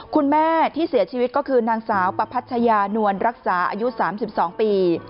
คุณแม่ที่เสียชีวิตก็คือนางสาวประพัชญานวลรักษาอายุ๓๒ปี